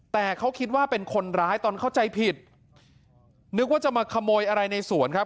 แต่เขาคิดว่าเป็นคนร้ายตอนเข้าใจผิดนึกว่าจะมาขโมยอะไรในสวนครับ